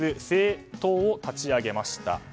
政党を立ち上げました。